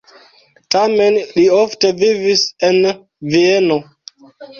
Tamen li ofte vivis en Vieno.